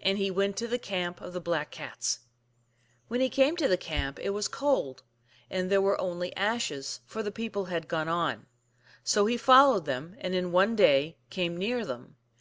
And he went to the camp of the Black Cats. When he came to the camp it was cold, and there were only ashes, for the people had gone on. So he followed them, and in one day came near them.